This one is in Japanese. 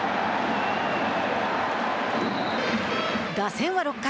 打線は６回。